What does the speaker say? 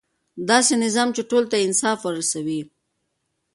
داسې نظام چې ټولو ته انصاف ورسوي.